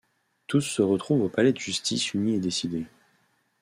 Tous se retrouvent au palais de justice unis et décidés.